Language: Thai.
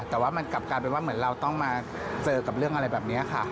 แต่ว่ามันกลับกลายเป็นว่าเหมือนเราต้องมาเจอกับเรื่องอะไรแบบนี้ค่ะ